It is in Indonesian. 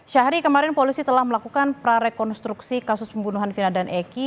syahri kemarin polisi telah melakukan prarekonstruksi kasus pembunuhan vina dan eki